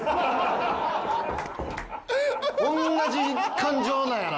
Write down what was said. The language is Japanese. おんなじ感情なんやな。